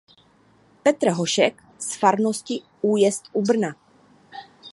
Petr Hošek z farnosti Újezd u Brna.